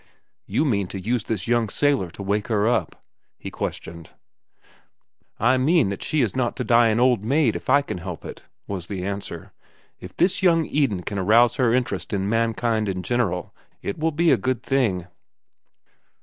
"You mean to use this young sailor to wake her up?" he questioned. "I mean that she is not to die an old maid if I can help it," was the answer. "If this young Eden can arouse her interest in mankind in general, it will be a good thing."